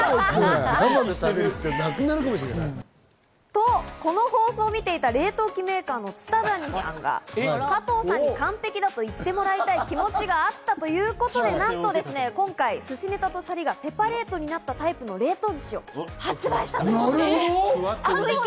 と、この放送を見ていた冷凍機メーカーの津田谷さんが加藤さんに完璧だと言ってもらいたい気持ちがあったということで、なんと今回、寿司ネタとシャリがセパレートになったタイプの冷凍寿司は発売したということなんです。